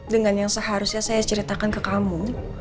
dengan yang seharusnya saya ceritakan ke kamu